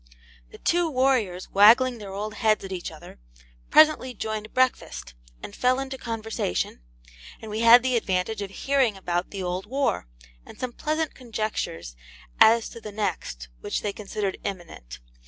The two warriors, waggling their old heads at each other, presently joined breakfast, and fell into conversation, and we had the advantage of hearing about the old war, and some pleasant conjectures as to the next, which they considered imminent.